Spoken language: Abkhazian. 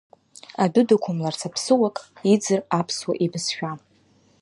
Адәы дықәымларц аԥсыуак, иӡыр аԥсуа ибызшәа.